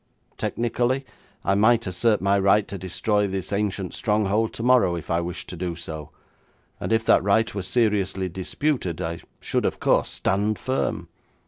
Technically, I might assert my right to destroy this ancient stronghold tomorrow if I wished to do so, and if that right were seriously disputed, I should, of course, stand firm.